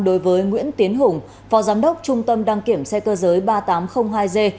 đối với nguyễn tiến hùng phó giám đốc trung tâm đăng kiểm xe cơ giới ba nghìn tám trăm linh hai g